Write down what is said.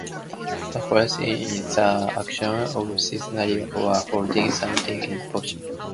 The correlation is in the action of securing or holding something in position.